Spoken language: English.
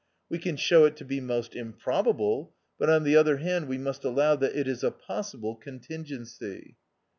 We can show it to be most improbable ; but on the other hand we must allow that it is a possible contingency.